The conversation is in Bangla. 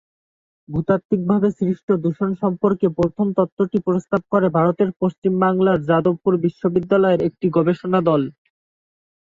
ভূতাত্ত্বিকভাবে সৃষ্ট দূষণ সম্পর্কে প্রথম তত্ত্বটি প্রস্তাব করে ভারতের পশ্চিম বাংলার যাদবপুর বিশ্ববিদ্যালয়ের একটি গবেষণা দল।